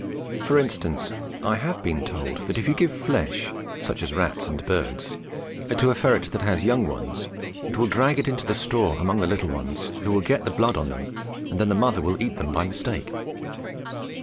For instance, I have been told that if you give flesh, such as rats and birds, to a ferret that has young ones, it will drag it into the straw among the little ones, who will get the blood on them, and then the mother will eat them by mistake.